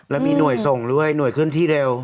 แล้วมีหน่วยส่งด้วยหน่วยเคลื่อนที่เร็ว